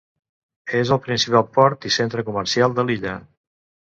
És el principal port i centre comercial de l'illa.